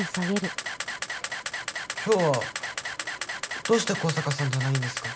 今日はどうして向坂さんじゃないんですか？